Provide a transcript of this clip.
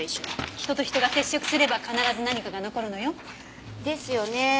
人と人が接触すれば必ず何かが残るのよ。ですよね。